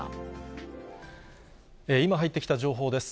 今、入ってきた情報です。